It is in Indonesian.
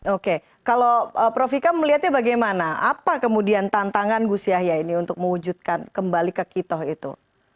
oke kalau prof ika melihatnya bagaimana apa kemudian tantangan gus yahya ini untuk mewujudkan kembali ke kitoh itu